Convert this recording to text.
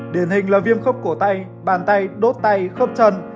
điển hình là viêm khớp cổ tay bàn tay đốt tay khớp chân